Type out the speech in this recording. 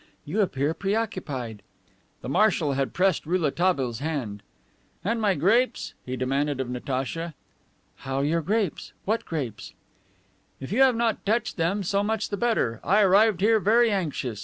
You appear preoccupied." The marshal had pressed Rouletabille's hand. "And my grapes?" he demanded of Natacha. "How, your grapes? What grapes?" "If you have not touched them, so much the better. I arrived here very anxious.